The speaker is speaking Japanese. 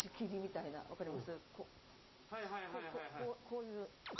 こういう。